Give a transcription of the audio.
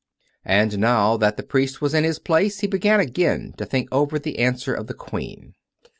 Ill And now that the priest was in his place, he began again to think over that answer of the Queen.